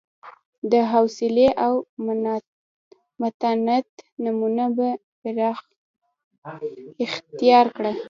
د حوصلې او متانت نمونه به یې اختیار کړه.